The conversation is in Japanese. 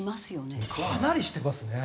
かなりしてますね。